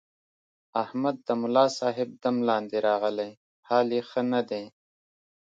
احمد د ملاصاحب دم لاندې راغلی، حال یې ښه نه دی.